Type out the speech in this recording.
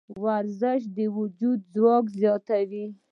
ورزش د وجود ځواک زیاتوي.